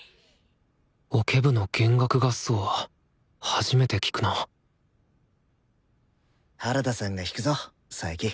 オケ部の弦楽合奏は初めて聴くな原田さんが弾くぞ佐伯。